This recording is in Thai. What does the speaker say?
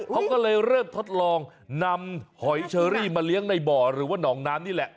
เขาก็เลยเริ่มทดลองนำหอยเชอรี่มาเลี้ยงในบ่อหรือว่าหนองน้ำนี่แหละ